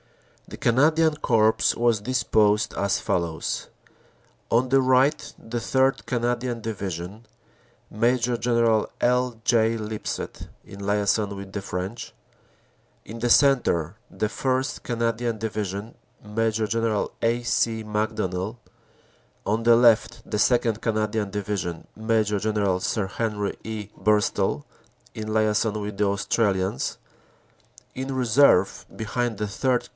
The Canadian Corps was disposed as follows : On the right the 3rd. Canadian Division, Major General L. J. Lip sett, in liason with the French; in the centre, the 1st, Canadian Division, Major General A. C. Macdonell; on the left, the 2nd. Canadian Division, Major General Sir Henry E. Burstall, in liason with the Australians ; in reserve, behind the 3rd.